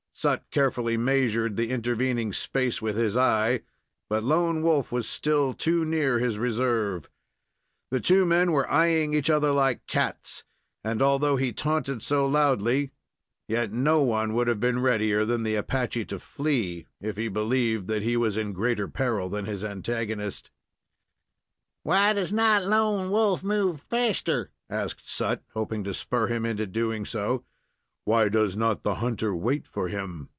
Sut carefully measured the intervening space with his eye, but Lone Wolf was still too near his reserve. The two men were eying each other like cats, and, although he taunted so loudly, yet no one would have been readier than the Apache to flee if he believed that he was in greater peril than his antagonist. "Why does not Lone Wolf move faster?" asked Sut, hoping to spur him into doing so. "Why does not the hunter wait for him?"